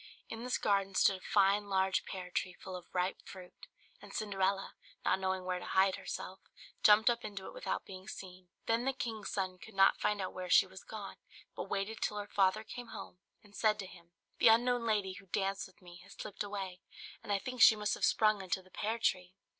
In this garden stood a fine large pear tree full of ripe fruit; and Cinderella, not knowing where to hide herself, jumped up into it without being seen. Then the king's son could not find out where she was gone, but waited till her father came home, and said to him, "The unknown lady who danced with me has slipped away, and I think she must have sprung into the pear tree."